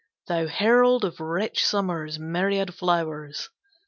Thou herald of rich Summer's myriad flowers!